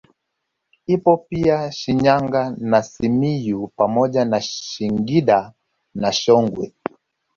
Ipo pia Shinyanga na Simiyu pamoja na Singida na Songwe